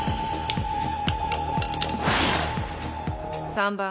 ３番。